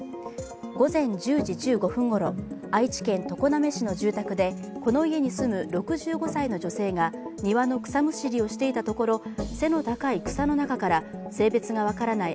午前１０時１５分ごろ愛知県常滑市の住宅でこの家に住む６５歳の女性が庭の草むしりをしていたところ背の高い草の中から性別が分からない